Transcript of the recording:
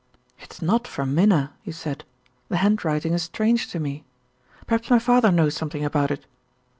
"It's not from Minna," he said; "the handwriting is strange to me. Perhaps my father knows something about it."